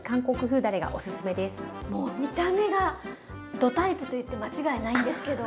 もう見た目がどタイプと言って間違いないんですけど。